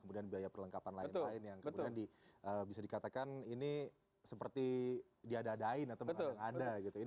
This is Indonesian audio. kemudian biaya perlengkapan lain lain yang kemudian bisa dikatakan ini seperti diadain atau mengandang andang